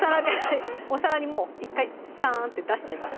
お皿にもう１回サンって出しちゃいます